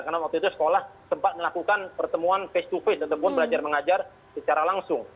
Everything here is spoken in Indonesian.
karena waktu itu sekolah sempat melakukan pertemuan face to face tetap pun belajar mengajar secara langsung